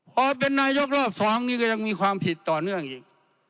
พอเป็นนายกรอบ๒นี่ก็ยังมีความผิดต่อเนื่องอีก